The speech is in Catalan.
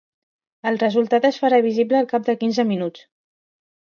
El resultat es farà visible al cap de quinze minuts.